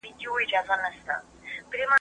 د عسلو په دوکان کي مچان ډیر دي.